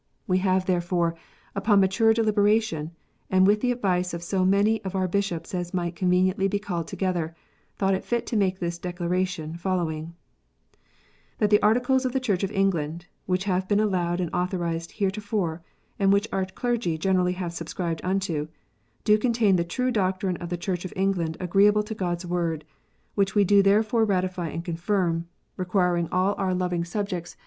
We have therefore, upon mature deliberation, and with the advice of so many of our Bishops as might conveniently be called together, thought fit to make this declaration following :" That the Articles of the Church of England (which have been allowed and authorized heretofore, and which our clergy generally have subscribed unto) do contain the true doctrine of the Church of England agreeable to God s Word : wliich we do therefore ratify and confirm, requiring all our loving subjects 74 KNOTS UNTIED.